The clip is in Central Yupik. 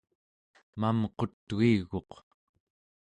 mamqutuiguq